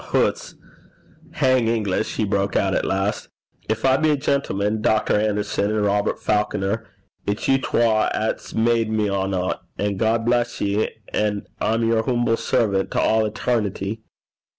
'Hoots! Damn English!' he broke out at last. 'Gin I be a gentleman, Dr. Anderson and Robert Falconer, it's you twa 'at's made me ane, an' God bless ye, an' I'm yer hoomble servant to a' etairnity.'